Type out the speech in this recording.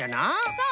そう。